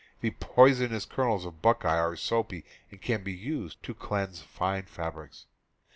The poisonous kernels of buckeye are soapy and can be used to cleanse fine fabrics.